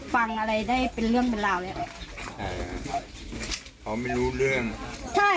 ฟังอะไรได้เป็นเรื่องเป็นราวแล้วเขาไม่รู้เรื่องใช่